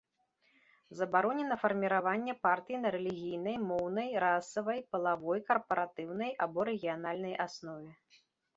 Забаронена фарміраванне партый на рэлігійнай, моўнай, расавай, палавой, карпаратыўнай або рэгіянальнай аснове.